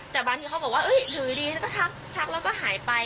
แต่บางทีเค้าบอกว่าเอ้ยอยู่ดีแล้วก็ทักทักแล้วก็หายไป